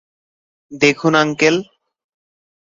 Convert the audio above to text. দেখুন, আংকেল।